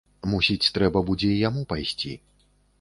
Мусіць, трэба будзе і яму пайсці.